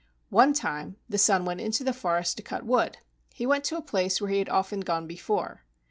One time the son went into the forest to cut wood. He went to a place where he had often gone before.